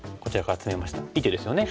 いい手ですよね。